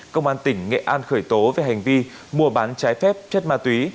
công an tỉnh nghệ an khởi tố về hành vi mua bán trái phép chất ma túy